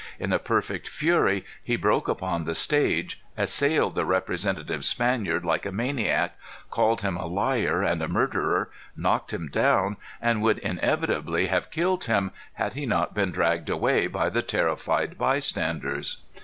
In a perfect fury he broke upon the stage; assailed the representative Spaniard like a maniac; called him a liar and a murderer; knocked him down, and would inevitably have killed him, had he not been dragged away by the terrified bystanders.